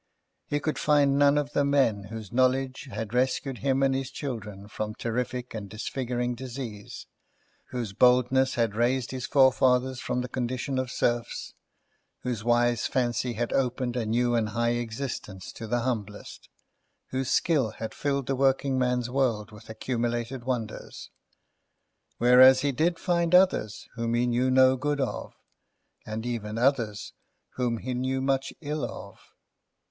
He could find none of the men whose knowledge had rescued him and his children from terrific and disfiguring disease, whose boldness had raised his forefathers from the condition of serfs, whose wise fancy had opened a new and high existence to the humblest, whose skill had filled the working man's world with accumulated wonders. Whereas, he did find others whom he knew no good of, and even others whom he knew much ill of.